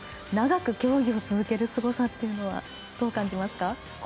長く競技をするすごさというのはどう感じますか？